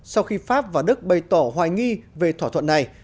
sau khi pháp và đức bày tỏ hoài nghi về thỏa thuận này